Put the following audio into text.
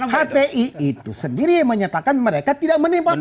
hti itu sendiri menyatakan mereka tidak menerima pancasila